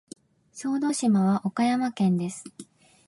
小豆島は岡山県です。